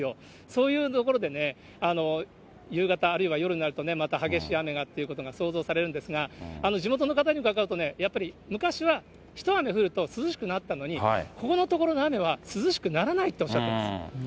そういうところでね、夕方、あるいは夜になると、また激しい雨がってことが想像されるんですが、地元の方に伺うと、やっぱり昔は一雨降ると涼しくなったのに、ここのところのあめは涼しくならないっておっしゃってます。